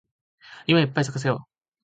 夢をいっぱい咲かせよう